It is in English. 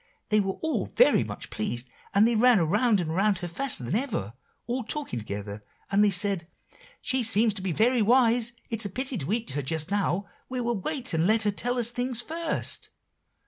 they were all very much pleased, and they ran around and around her faster than ever, all talking together, and they said, 'She seems to be very wise, it's a pity to eat her just now. We will wait and let her tell us things first.